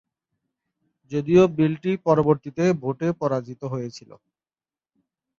যদিও বিলটি পরবর্তীতে ভোটে পরাজিত হয়েছিল।